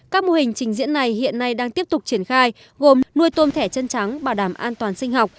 các mô hình trình diễn này hiện nay đang tiếp tục triển khai gồm nuôi tôm thẻ chân trắng bảo đảm an toàn sinh học